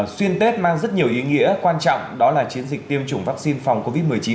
xuyên tết mang rất nhiều ý nghĩa quan trọng đó là chiến dịch tiêm chủng vaccine phòng covid một mươi chín